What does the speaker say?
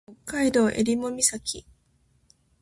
北海道襟裳岬